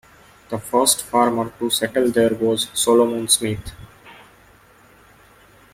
The first farmer to settle there was Solomon Smith.